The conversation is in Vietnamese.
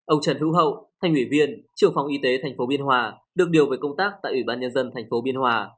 ông trần hữu hậu thành ủy viên chủ phòng y tế tp hcm được điều về công tác tại ủy ban nhân dân tp hcm